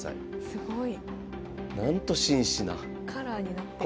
すごい。